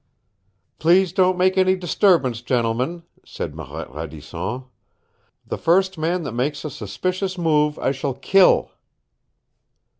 "Please don't make any disturbance, gentlemen," said Marette Radisson. "The first man that makes a suspicious move, I shall kill!"